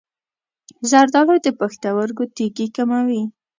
زردآلو د پښتورګو تیږې کموي.